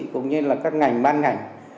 cũng như là các ngành ban ngành